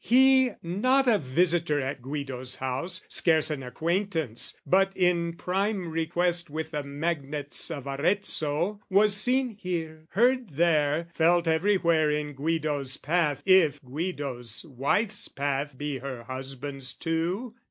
He, not a visitor at Guido's house, Scarce an acquaintance, but in prime request With the magnates of Arezzo, was seen here, Heard there, felt everywhere in Guido's path If Guido's wife's path be her husband's too.